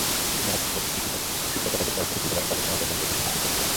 যাঁরা শিক্ষকতাকে সহজ করে তুলতে পারেন, তাঁদের সহায়তার জন্য প্রস্তুত থাকে শিক্ষার্থীরাও।